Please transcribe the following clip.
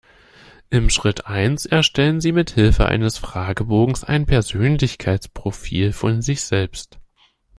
In Schritt eins erstellen Sie mithilfe eines Fragebogens ein Persönlichkeitsprofil von sich selbst.